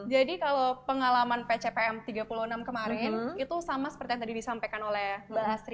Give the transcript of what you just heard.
jadi kalau pengalaman pcpm tiga puluh enam kemarin itu sama seperti yang tadi disampaikan oleh mbak asri